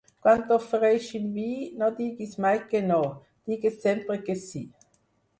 Quan t'ofereixin vi, no diguis mai que no; digues sempre que sí.